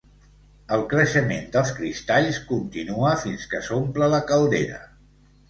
El creixement dels cristalls continua fins que s'omple la caldera.